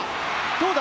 どうだ？